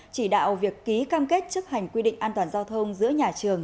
chỉ đạo việc ký cam kết chấp hành quy định an toàn giao thông giữa nhà trường